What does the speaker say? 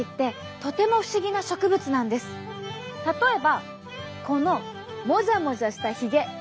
例えばこのもじゃもじゃしたヒゲ。